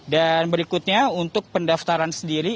dan berikutnya untuk pendaftaran sendiri